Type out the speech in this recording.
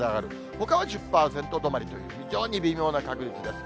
ほかは１０％止まりという、非常に微妙な確率です。